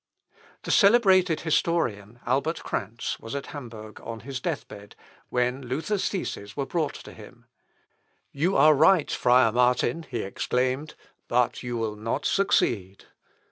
p. 167.) The celebrated historian, Albert Kranz, was at Hamburg on his deathbed, when Luther's theses were brought to him. "You are right, friar Martin," he exclaimed, "but you will not succeed....